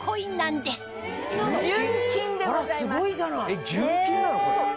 えっ純金なのこれ。